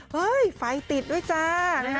เฮ้ยไฟติดด้วยจ้า